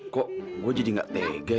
kok gue jadi gak tega